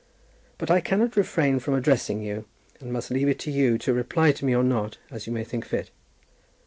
But I cannot refrain from addressing you, and must leave it to you to reply to me or not, as you may think fit.